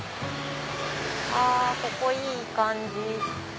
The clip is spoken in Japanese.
ここいい感じ。